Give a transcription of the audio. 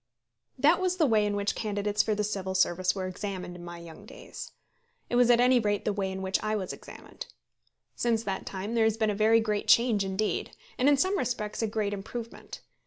That was the way in which candidates for the Civil Service were examined in my young days. It was at any rate the way in which I was examined. Since that time there has been a very great change indeed; and in some respects a great improvement.